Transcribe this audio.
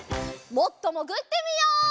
もっともぐってみよう！